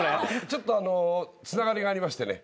ちょっとあのつながりがありましてね。